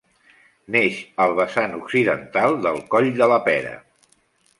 Neix al vessant occidental del Coll de la Pera.